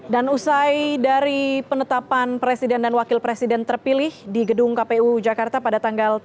dan usai dari penetapan presiden dan wakil presiden terpilih di gedung kpu jakarta pada tanggal tiga puluh juni dua ribu sembilan belas